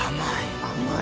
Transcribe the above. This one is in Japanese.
甘い。